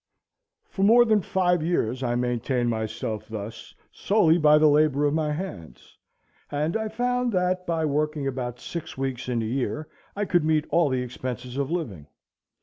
For more than five years I maintained myself thus solely by the labor of my hands, and I found, that by working about six weeks in a year, I could meet all the expenses of living.